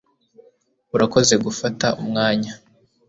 Urakoze gufata umwanya